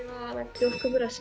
洋服ブラシ。